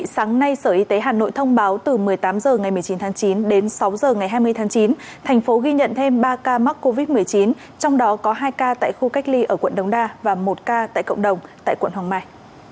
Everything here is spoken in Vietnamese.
sáng nay sở y tế hà nội thông báo từ một mươi tám h ngày một mươi chín tháng chín đến sáu h ngày hai mươi tháng chín thành phố ghi nhận thêm ba ca mắc covid một mươi chín trong đó có hai ca tại khu cách ly ở quận đông đa và một ca tại cộng đồng tại quận hoàng mai